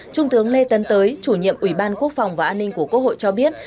trung tướng lê tấn tới chủ nhiệm ủy ban quốc phòng và an ninh của quốc hội cho biết